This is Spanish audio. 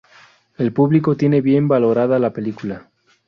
El público tiene bien valorada la película.